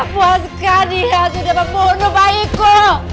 puaskah dia sudah membunuh bayiku